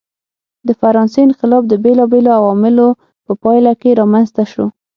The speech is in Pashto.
د فرانسې انقلاب د بېلابېلو عواملو په پایله کې رامنځته شو.